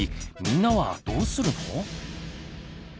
みんなはどうするの？